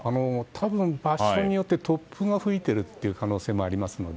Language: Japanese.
たぶん、場所によって突風が吹いている可能性もあります。